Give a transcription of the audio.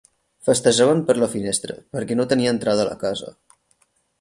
Festejaven per la finestra perquè no tenia entrada a la casa.